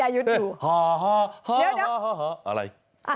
อะไร